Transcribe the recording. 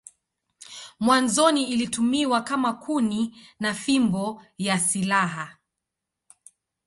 Mwanzoni ilitumiwa kama kuni na fimbo ya silaha.